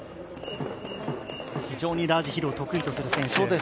非常にラージヒルを得意とする選手。